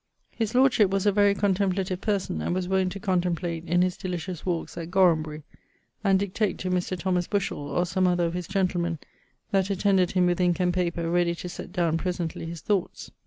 His lordship was a very contemplative person, and was wont to contemplate in his delicious walkes at Gorambery[FQ], and dictate to Mr. Thomas Bushell, or some other of his gentlemen, that attended him with inke and paper ready to sett downe presently his thoughts.